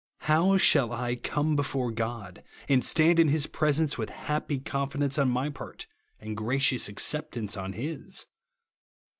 How shall I come before God, and stand in his presence, with happy confidence on my part, and gracious acceptance on his